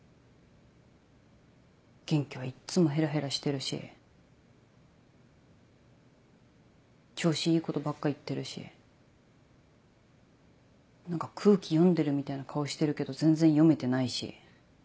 元気はいっつもへらへらしてるし調子いいことばっか言ってるし何か空気読んでるみたいな顔してるけど全然読めてないし。